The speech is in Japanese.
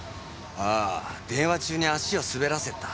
ああ電話中に足を滑らせた。